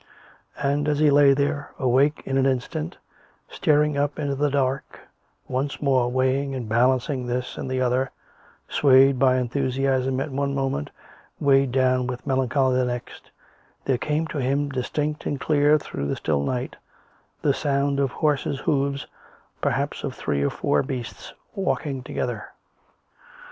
And, as he lay there, awake in an instant, staring up into the dark, once more weighing and balancing this and the other, swayed by enthusiasm at one moment, weighed down with melancholy the next — there came to him, distinct and clear through the still night, the sound of horses' hoofs, perhaps of three or four beasts, walking together.